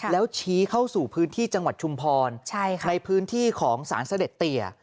แล้วชี้เข้าสู่พื้นที่จังหวัดชุมพรในพื้นที่ของสารเสด็จเตีย